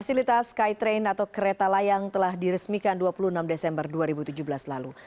fasilitas skytrain atau kereta layang telah diresmikan dua puluh enam desember dua ribu tujuh belas lalu